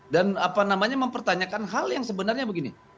dan apa namanya mempertanyakan hal yang sebenarnya begini